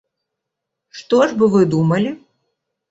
Што ж бы вы думалі?